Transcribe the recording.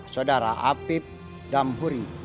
saudara apib damhuri